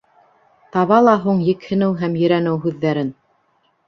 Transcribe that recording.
Таба ла һуң екһенеү һәм ерәнеү һүҙҙәрен!